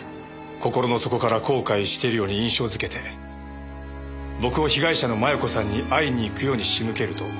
心の底から後悔しているように印象づけて僕を被害者の摩耶子さんに会いに行くように仕向けると。